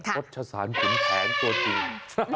ศัพท์ชาสารขุนแผนตัวจริง